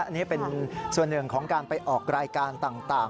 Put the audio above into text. อันนี้เป็นส่วนหนึ่งของการไปออกรายการต่าง